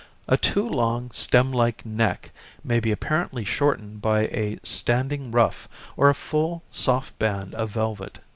A too long, stem like neck may be apparently shortened by a standing ruff or a full, soft band of velvet.